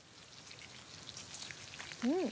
うん！